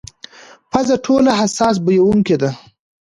پزه ټولو حساس بویونکې ده.